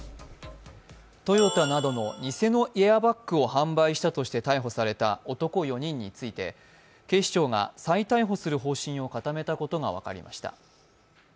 トヨタなどの偽のエアバッグを販売したとして逮捕された男らについて警視庁が再逮捕する方針を固めたことが分かりました。